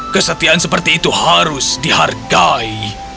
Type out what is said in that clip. kesetiaan seperti itu harus dihargai